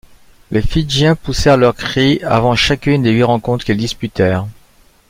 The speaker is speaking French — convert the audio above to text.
Les Fidjiens poussèrent leur cri avant chacune des huit rencontres qu’ils disputèrent.